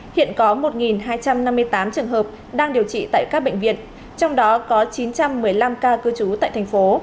hiện có một hai trăm năm mươi tám trường hợp đang điều trị tại các bệnh viện trong đó có chín trăm một mươi năm ca cư trú tại thành phố